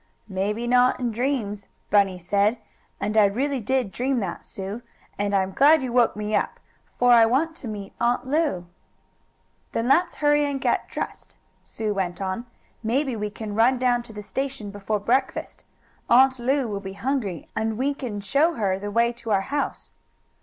"Maybe not in dreams," Bunny said. "And I really did dream that, Sue. And I'm glad you woke me up, for I want to meet Aunt Lu." "Then let's hurry and get dressed," Sue went on. "Maybe we can run down to the station before breakfast. Aunt Lu will be hungry, and we can show her the way to our house."